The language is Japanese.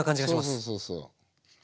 そうそうそうそう。